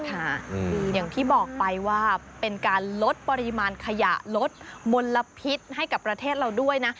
อย่างที่บอกไปว่าเป็นการลดปริมาณขยะลดมลพิษให้กับประเทศเราด้วยนะ